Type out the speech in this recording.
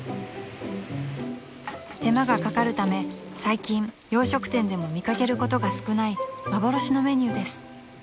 ［手間がかかるため最近洋食店でも見掛けることが少ない幻のメニューです］